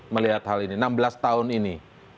melihat hal ini enam belas tahun ini